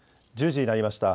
１０時になりました。